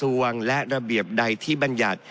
วางและระเบียบใดที่มา